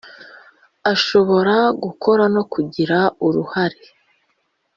ashobora gukora no kugira uruhare